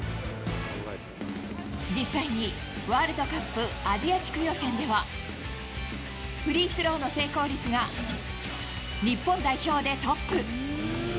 実際にワールドカップアジア地区予選では、フリースローの成功率が日本代表でトップ。